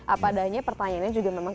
apadanya pertanyaannya juga memang keluar